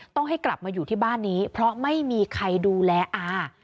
ต้องให้กลับมาอยู่ที่บ้านนี้เพราะไม่มีใครดูแลอา